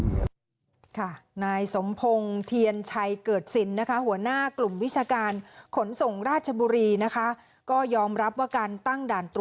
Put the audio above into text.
เคยพบกับสมพงษ์เทียนชัยเกิดสินนะคะหัวหน้ากลุ่มวิชาการขนส่งราชบุรีนะคะ